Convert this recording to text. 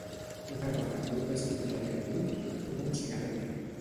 Una dona amb un vestit negre curt fuma un cigarret.